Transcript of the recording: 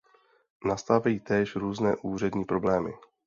Nastávají též různé úřední problémy.